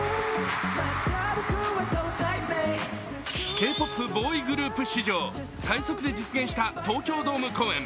Ｋ−ＰＯＰボーイズグループ史上最速で実現した東京ドーム公演。